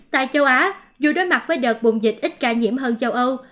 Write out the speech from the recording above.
tại châu á dù đối mặt với đợt bùng dịch ít ca nhiễm hơn châu âu